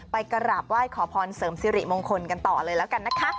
ไปกราบไหว้ขอพรเสริมสิริมงคลกันต่อเลยแล้วกันนะคะ